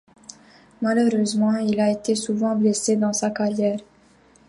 Malheureusement, il a été souvent blessé dans sa carrière.